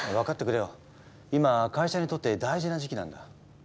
今会社にとって大事な時期なんだ。